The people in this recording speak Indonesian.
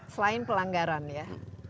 selain pelanggaran ya